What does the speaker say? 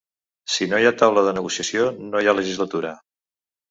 Si no hi ha taula de negociació, no hi ha legislatura.